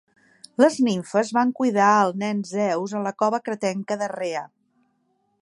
Les nimfes van cuidar al nen Zeus en la cova cretenca de Rhea.